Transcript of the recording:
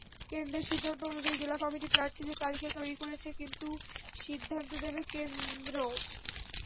কেন্দ্রের সিদ্ধান্ত অনুযায়ী জেলা কমিটি প্রার্থীদের তালিকা তৈরি করেছে, কিন্তু সিদ্ধান্ত দেবে কেন্দ্র।